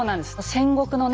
戦国のね